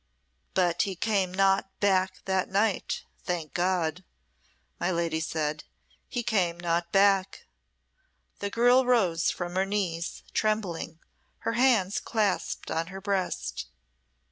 "But he came not back that night thank God!" my lady said "he came not back." The girl rose from her knees, trembling, her hands clasped on her breast.